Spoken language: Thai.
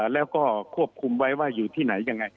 แล้วก็ควบคุมไว้ว่าอยู่ที่ไหนยังไง